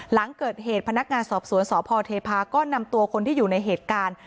หลังเกิดเหตุพนักงานสอบสวนสพเทพาก็นำตัวคนที่อยู่ในเหตุการณ์